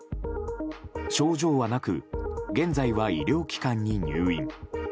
症状はなく現在は医療機関に入院。